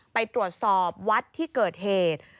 ไปตรวจสอบวัดที่เกิดเหตุ